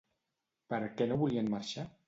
Per què no volien marxar?